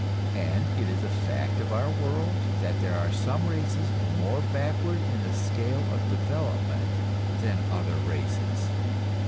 And it is a fact of our world that there are some races more backward in the scale of development than other races.